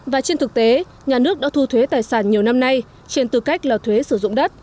và trên thực tế nhà nước đã thu thuế tài sản nhiều năm nay trên tư cách là thuế sử dụng đất